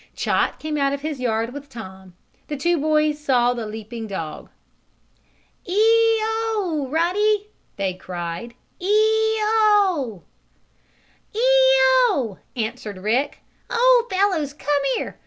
Chot came out of his yard with Tom. The two boys saw the leaping dog. "Ee o, Ruddy! Ee o!" they cried. "Ee o!" answered Rick. "Oh, fellows! Come here!